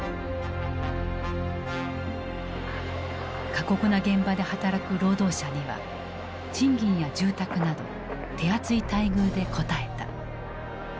過酷な現場で働く労働者には賃金や住宅など手厚い待遇で応えた。